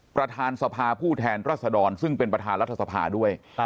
ประธานสภาผู้แทนรัศดรซึ่งเป็นประธานรัฐสภาด้วย